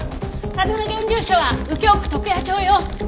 佐野の現住所は右京区徳谷町よ！